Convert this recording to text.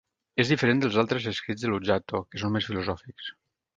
És diferent dels altres escrits de Luzzato, que són més filosòfics.